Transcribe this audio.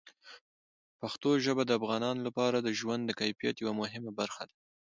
پښتو ژبه د افغانانو لپاره د ژوند د کیفیت یوه مهمه برخه ده.